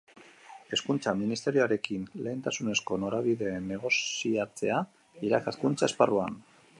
Hezkuntza Ministerioarekin lehentasunezko norabideen negoziatzea, irakaskuntza esparruan.